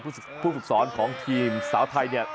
ผู้ฝึกสอนของทีมสาวไทย